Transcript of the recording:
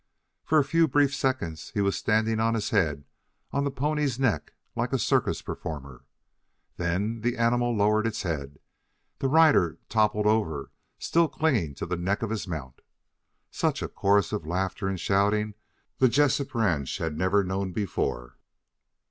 For a few brief seconds he was standing on his head on the pony's neck like a circus performer. Then, as the animal lowered its head, the rider toppled over, still clinging to the neck of his mount. Such a chorus of laughter and shouting the Jessup ranch had never known before.